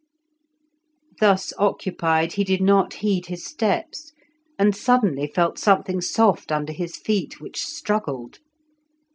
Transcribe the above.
Thus occupied he did not heed his steps, and suddenly felt something soft under his feet, which struggled.